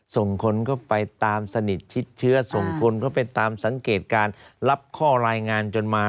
ส่งคนเข้าไปตามสนิทชิดเชื้อส่งคนเข้าไปตามสังเกตการณ์รับข้อรายงานจนมา